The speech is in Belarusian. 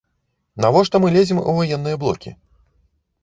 Навошта мы лезем у ваенныя блокі?